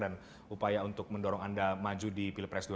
dan upaya untuk mendorong anda maju di pilpres dua ribu dua puluh empat